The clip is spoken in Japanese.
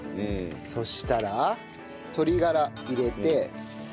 そしたら鶏がら入れて。